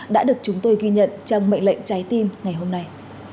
đã được chúng tôi ghi nhận trong mệnh lệnh trái tim ngày hôm nay